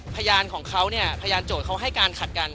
พยานของเขาเนี่ยพยานโจทย์เขาให้การขัดกัน